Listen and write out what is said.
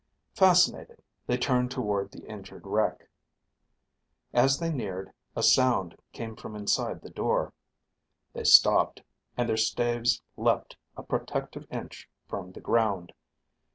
Fascinated, they turned toward the injured wreck. As they neared, a sound came from inside the door. They stopped, and their staves leapt a protective inch from the ground.